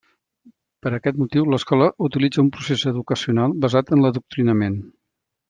Per aquest motiu, l’escola utilitza un procés educacional basat en l’adoctrinament.